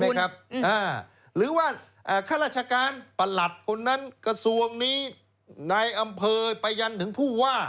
เข็นไหมครับหรือว่าขั้นราชการปรัฐคนนั้นกระทรวงมีนายอำเภอไปยันถึงผู้ว่า